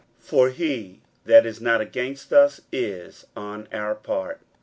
41:009:040 For he that is not against us is on our part.